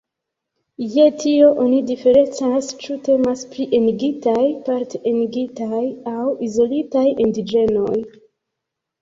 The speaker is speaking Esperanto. Je tio oni diferencas, ĉu temas pri "enigitaj", "parte enigitaj" aŭ "izolitaj" indiĝenoj.